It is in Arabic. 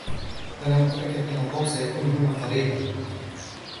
أنا متأكد أن توم سيكون هنا قريباً.